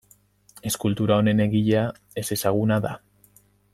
Eskultura honen egilea ezezaguna da.